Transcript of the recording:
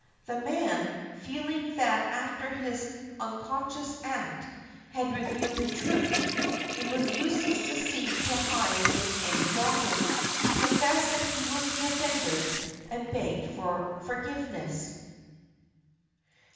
The man, feeling that after his unconscious act had revealed the truth, it was useless to seek to hide it any longer, confessed that he was the offender and begged for forgiveness.